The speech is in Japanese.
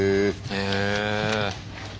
へえ。